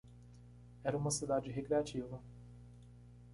Era uma cidade recreativa.